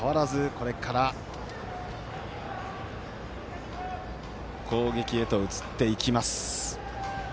これから攻撃へと移っていきます。